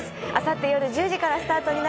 あさって夜１０時からスタートです。